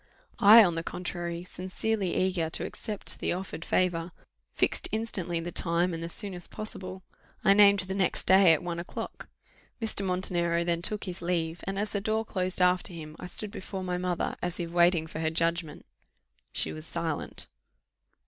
I, on the contrary, sincerely eager to accept the offered favour, fixed instantly the time, and the soonest possible. I named the next day at one o'clock. Mr. Montenero then took his leave, and as the door closed after him, I stood before my mother, as if waiting for judgment; she was silent.